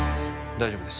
大丈夫です